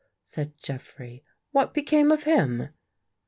said Jeffrey. "What became of him?"